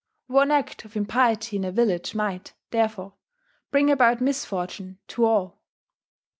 One act of impiety in a village might, therefore, bring about misfortune to all.